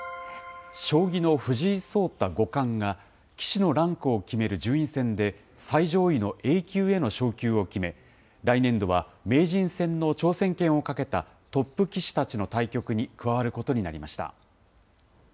将棋の藤井聡太五冠が棋士のランクを決める順位戦で最上位のＡ級への昇級を決め、来年度は名人戦の挑戦権をかけたトップ棋士たちの対局に加わることになりました。